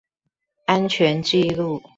安全紀錄